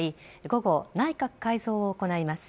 午後、内閣改造を行います。